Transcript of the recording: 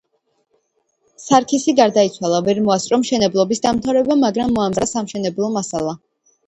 სარქისი გარდაიცვალა, ვერ მოასწრო მშენებლობის დამთავრება, მაგრამ მოამზადა სამშენებლო მასალა.